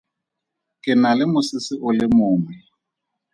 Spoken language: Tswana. Ke na le mosese o le mongwe.